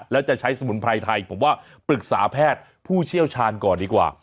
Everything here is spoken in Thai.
แล้วจะใช้สมุนไพรไทยผมว่าปรึกษาแพทย์ผู้เชี่ยวชาญก่อนดีกว่า